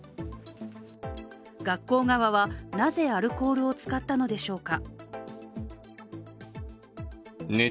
学校側はなぜ、アルコールを使ったのでしょうか。